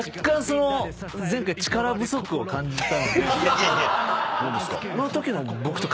いやいやそうですか。